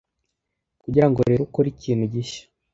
Kugirango rero ukore ikintu gishya